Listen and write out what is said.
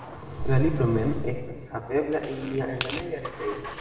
La libro mem estas havebla en mia eldoneja retejo.